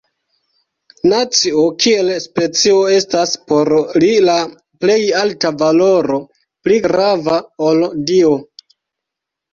Nacio kiel specio estas por li la plej alta valoro, pli grava ol Dio.